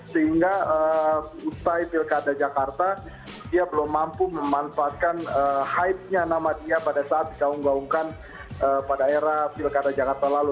sehingga usai pilkada jakarta dia belum mampu memanfaatkan hype nya nama dia pada saat digaung gaungkan pada era pilkada jakarta lalu